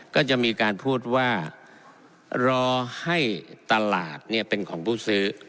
ก็จะมีการพูดว่ารอให้ตลาดเป็นของผู้ซื้อ